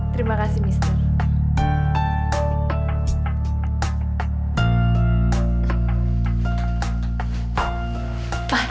terima kasih mister